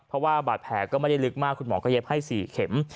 เพราะว่าบาดแผลก็ไม่ได้ลึกมากคุณหมอก็เย็บให้๔เข็ม